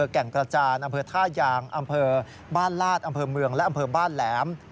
คืออำเภอแก่งกระจานอำเภอท่ายางบ้านลาดอำเภอเมืองและอำเภอบ้านแหลม